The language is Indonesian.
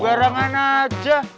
bukan pak jandra